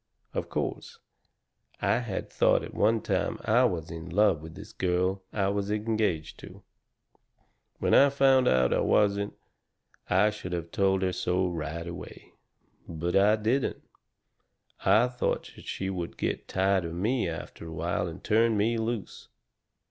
Of course, I had thought at one time I was in love with this girl I was engaged to. When I found out I wasn't, I should have told her so right away. But I didn't. I thought that she would get tired of me after a while and turn me loose.